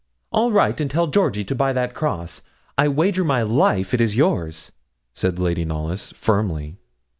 'I'll write and tell Georgie to buy that cross. I wager my life it is yours,' said Lady Knollys, firmly.